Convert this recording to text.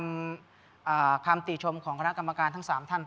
อากางก่อนฟังคะแนนกับหลังฟังคะแนน